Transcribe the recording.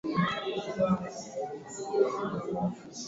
Nzamani bile bintu bya ku uza ma mashamba abiku kuyakeko